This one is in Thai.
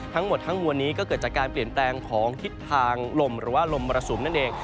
ทั้งหมดทั้งมวลนี้ก็เกิดจากการเปลี่ยนแปลงของทิศทางลมหรือว่าลมมรสุมนั่นเอง